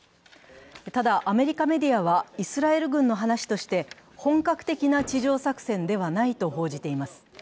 ただ、アメリカメディアは、イスラエル軍の話として本格的な地上作戦ではないと報じています。